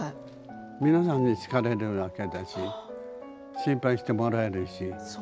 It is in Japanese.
皆さんに好かれるわけだし心配してもらえるし。